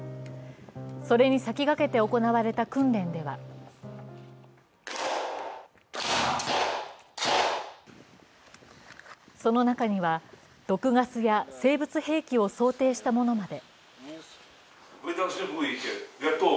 それに先駆けて行われた訓練ではその中には毒ガスや生物兵器を想定したものまで。